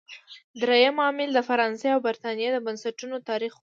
درېیم عامل د فرانسې او برېټانیا د بنسټونو تاریخ و.